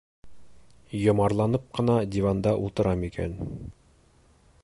Йомарланып ҡына диванда ултырам икән...